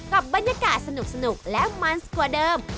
กับบรรยากาศสนุกและมันกว่าเดิม